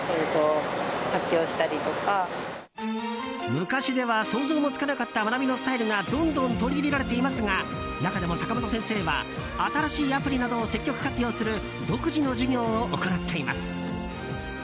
昔では想像もつかなかった学びのスタイルがどんどん取り入れられていますが中でも坂本先生は新しいアプリなどを積極活用する独自の授業を行っています。